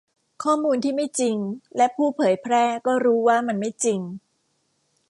ข้อมูลที่ไม่จริง และผู้เผยแพร่ก็รู้ว่ามันไม่จริง